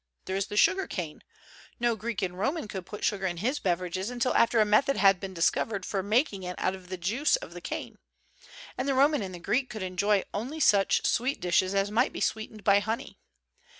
There is the sugar cane; no Greek and no Roman could put sugar in his beverages until after a method had been discov ered for making it out of the juice of the cane; and the Roman and the Greek could enjoy only such sweet dishes as might be sweetened by honey.